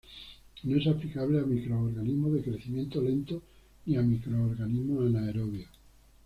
No es aplicable a microorganismos de crecimiento lento ni a microorganismos anaerobios.